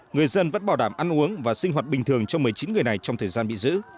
người dân vẫn bảo đảm ăn uống và sinh hoạt bình thường cho một mươi chín người này trong thời gian bị giữ